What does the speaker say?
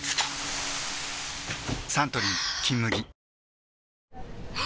サントリー「金麦」あ！